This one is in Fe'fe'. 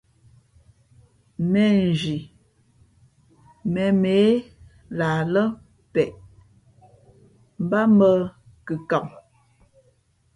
Mēnzhi mēmmᾱ e lah lά peʼ, mbát mᾱ kʉkam.